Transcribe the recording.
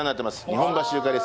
日本橋ゆかり